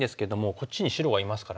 こっちに白がいますからね。